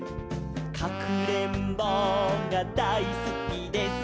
「かくれんぼうがだいすきです」